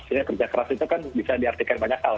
sehingga kerja keras itu kan bisa diartikan banyak hal